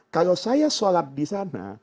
kalau saya sholat di sana